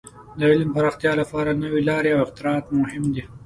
د علم د پراختیا لپاره نوې لارې او اختراعات مهم دي.